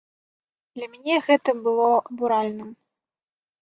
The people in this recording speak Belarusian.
Для мяне гэты было абуральным.